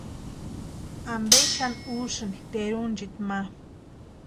¿Ampe xani úsïni tʼerunchiti ma?